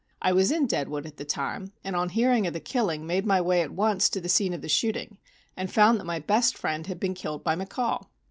I was in Deadwood at the time and on hearing of the killing made my way at once to the scene of the shooting and found that my best friend had been killed by McCall.